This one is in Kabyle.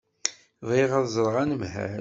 Bɣiɣ ad ẓreɣ anemhal.